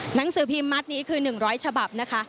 หนังสือพิมพ์มัดนี้คือ๑๐๐ฉบับนะคะ